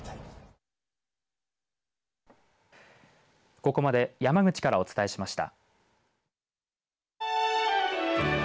ここまで山口からお伝えしました。